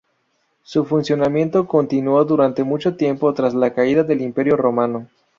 Su funcionamiento continuó durante mucho tiempo tras la caída del Imperio romano.